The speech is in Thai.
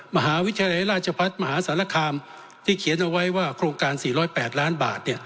มหาวิทยาลัยราชพัฒน์มหาสารคามที่เขียนเอาไว้ว่าโครงการ๔๐๘ล้านบาท